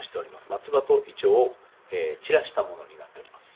松葉と銀杏を散らしたものになっております。